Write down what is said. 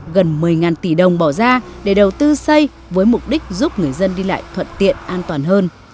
gần một mươi tỷ đồng bỏ ra để đầu tư xây với mục đích giúp người dân đi lại thuận tiện an toàn hơn